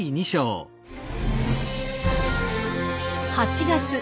８月。